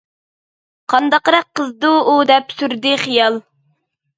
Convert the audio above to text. قانداقراق قىزدۇ ئۇ دەپ سۈردى خىيال.